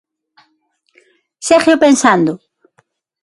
¿Ségueo pensando?